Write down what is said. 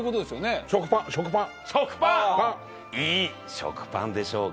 食パンでしょうか？